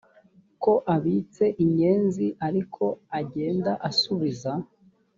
ko abitse inyenzi ariko agenda asubiza